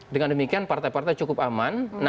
dengan demikian partai partai cukup aman